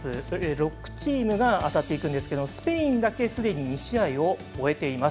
６チームが当たっていくんですけれどもスペインだけすでに２試合を終えています。